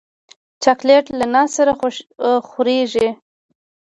چاکلېټ له ناز سره خورېږي.